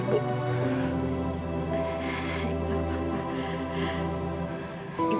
ibu kasih ibu